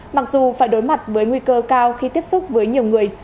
mặc dù phải đối mặt với nguy cơ cao khi tiếp xúc với nhiều người